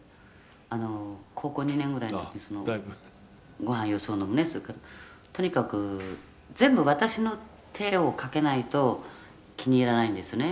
あの高校２年ぐらいの時ご飯よそうのもねそれからとにかく全部私の手をかけないと気に入らないんですね」